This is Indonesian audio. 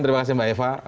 terima kasih mbak eva